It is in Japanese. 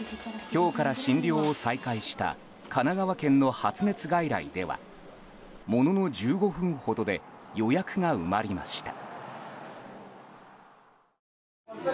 今日から診療を再開した神奈川県の発熱外来ではものの１５分ほどで予約が埋まりました。